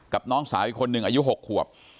กับน้องสาวอีกคนนึงอายุหกขวบ